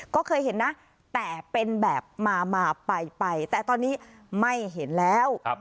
ก็เคยเห็นนะแต่เป็นแบบมามาไปแต่ตอนนี้ไม่เห็นแล้ว